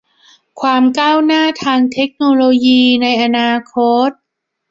ความก้าวหน้าทางเทคโนโลยีในอนาคต